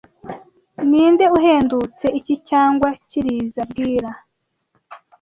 Ninde uhendutse, iki cyangwa kirizoa mbwira